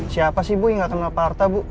siapa sih bu yang gak kenal papa arta bu